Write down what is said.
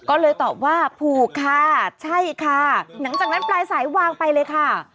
ก็เลยตอบว่าผูกค่ะใช่ค่ะหลังจากนั้นปลายสายวางไปเลยค่ะ